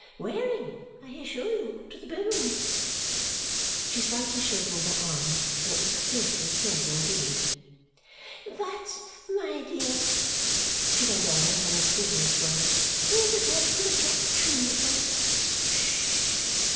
Wearing, I assure you, to the bone!" She slightly showed me her arm, and it was fearfully thin indeed. "But, my dear," she went on in her mysterious way, "there's a dreadful attraction in the place. Hush!